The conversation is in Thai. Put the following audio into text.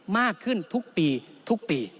มากขึ้นทุกปีทุกปี